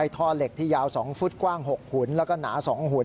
ท่อเหล็กที่ยาว๒ฟุตกว้าง๖หุ่นแล้วก็หนา๒หุ่น